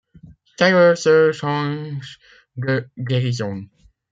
C'est leur seule chance de guérison.